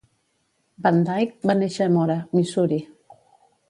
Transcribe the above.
Van Dyke va néixer a Mora, Missouri.